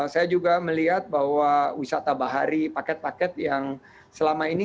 saya juga melihat bahwa wisata bahari paket paket yang selama ini